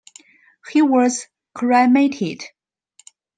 He was cremated.